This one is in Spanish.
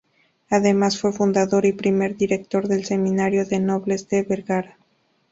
Además, fue fundador y primer director del Seminario de Nobles de Vergara.